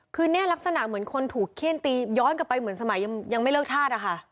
คือเนี่ยลักษณะเหมือนคนถูกเขี้ยนตีย้อนกลับไปเหมือนสมัยยังไม่เลิกธาตุอะค่ะ